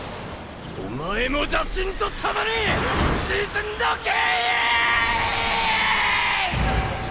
お前も邪神とともに沈んどけ！